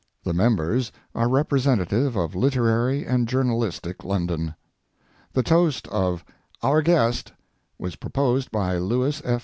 The members are representative of literary and journalistic London. The toast of "Our Guest" was proposed by Louis F.